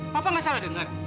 papa gak salah denger